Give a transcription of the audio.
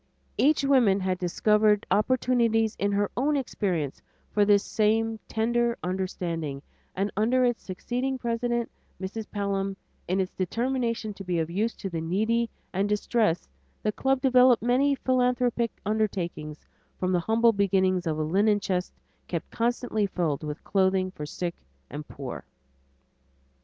Each woman had discovered opportunities in her own experience for this same tender understanding, and under its succeeding president, Mrs. Pelham, in its determination to be of use to the needy and distressed, the club developed many philanthropic undertakings from the humble beginnings of a linen chest kept constantly filled with clothing for the sick and poor.